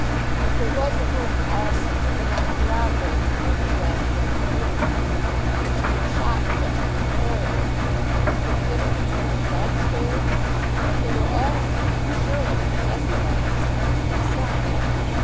But there was a rumour also, though not corroborated during his last visit to Liverpool, that she had shot a gentleman in Oregon. Could he get at the truth of that story? If they were all true, surely he could justify himself to himself.